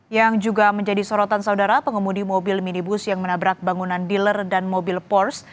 yang juga menjadi sorotan saudara pengemudi mobil minibus yang menabrak bangunan dealer dan mobil pors